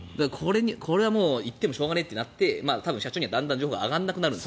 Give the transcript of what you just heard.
これは言ってもしょうがないとなって社長にはだんだん情報が上がらなくなる。